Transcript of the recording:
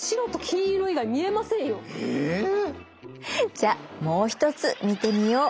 じゃあもう一つ見てみよう。